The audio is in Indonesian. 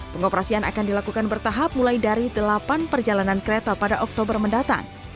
pengoperasian akan dilakukan bertahap mulai dari delapan perjalanan kereta pada oktober mendatang